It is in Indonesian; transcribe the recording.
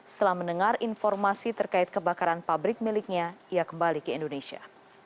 setelah mendengar informasi terkait kebakaran pabrik miliknya ia kembali ke indonesia